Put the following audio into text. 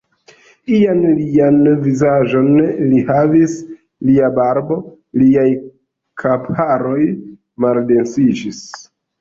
Ian alian vizaĝon li havis, lia barbo, liaj kapharoj maldensiĝis.